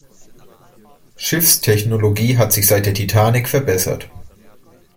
Schiffstechnologie hat sich seit der Titanic verbessert.